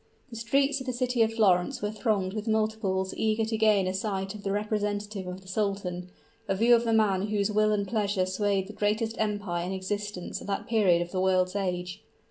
The streets of the city of Florence were thronged with multitudes eager to gain a sight of the representative of the sultan a view of the man whose will and pleasure swayed the greatest empire in existence at that period of the world's age!